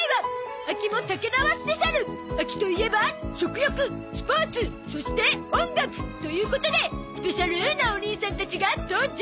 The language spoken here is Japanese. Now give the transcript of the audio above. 秋といえば食欲スポーツそして音楽ということでスペシャルなお兄さんたちが登場！